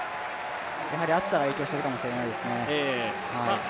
やはり暑さが影響しているかもしれませんね。